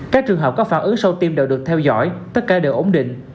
các trường hợp có phản ứng sau tiêm đều được theo dõi tất cả đều ổn định